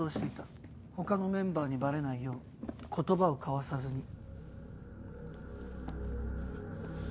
他のメンバーにバレないよう言葉を交わさずに。